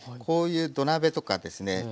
こういう土鍋とかですね